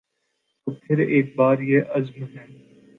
تو پھر ایک بار یہ عزم ہے